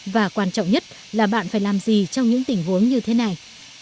và quan trọng nhất là bạn phải làm gì trong những tình huống như thế này